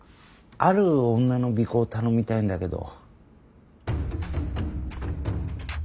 ある女の尾行を頼みたいんだけど。